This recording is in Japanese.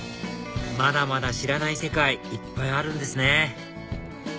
まだまだ知らない世界いっぱいあるんですね